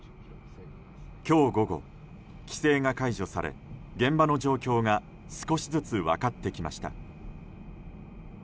今日午後、規制が解除され現場の状況が少しずつ分かってきました。